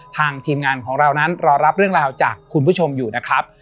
ทีมงานของเรานั้นรอรับเรื่องราวจากคุณผู้ชมอยู่นะครับ